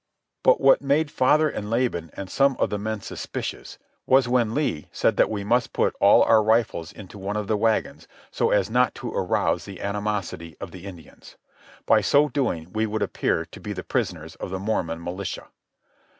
But what made father and Laban and some of the men suspicious was when Lee said that we must put all our rifles into one of the wagons so as not to arouse the animosity of the Indians. By so doing we would appear to be the prisoners of the Mormon militia.